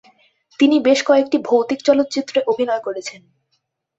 তিনি বেশ কয়েকটি ভৌতিক চলচ্চিত্রে অভিনয় করেছেন।